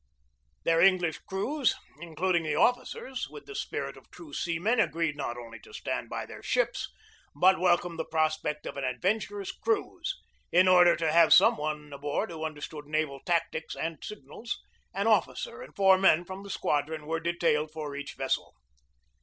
Their English crews, including the offi cers, with the spirit of true seamen, agreed not only to stand by their ships, but welcomed the prospect of an adventurous cruise. In order to have some one aboard who understood naval tactics and signals, an officer and four men from the squadron were de tailed for each vessel.